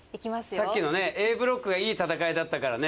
さっきのＡブロックがいい戦いだったからね。